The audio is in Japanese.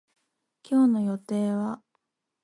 今日の予定は